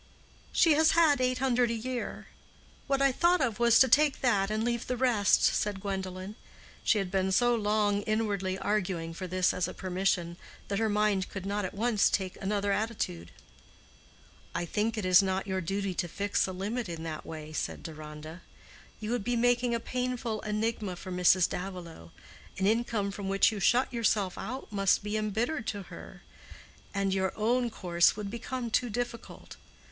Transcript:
"She has had eight hundred a year. What I thought of was to take that and leave the rest," said Gwendolen. She had been so long inwardly arguing for this as a permission, that her mind could not at once take another attitude. "I think it is not your duty to fix a limit in that way," said Deronda. "You would be making a painful enigma for Mrs. Davilow; an income from which you shut yourself out must be embittered to her. And your own course would become too difficult.